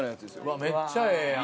うわめっちゃええやん。